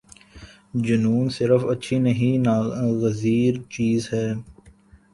جنون صرف اچھی نہیں ناگزیر چیز ہے۔